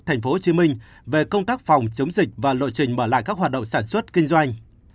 thành phố hồ chí minh về công tác phòng chống dịch và lộ trình mở lại các hoạt động sản xuất kinh doanh